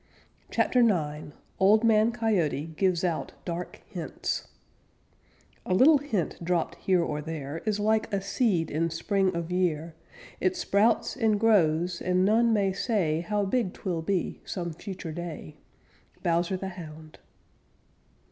CHAPTER IX OLD MAN COYOTE GIVES OUT DARK HINTS A little hint dropped there or here, Is like a seed in spring of year; It sprouts and grows, and none may say How big 'twill be some future day. _Bowser the Hound.